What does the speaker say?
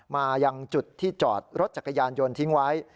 มายังจุดที่จอดรถจักรยานยนต์ทิ้งไว้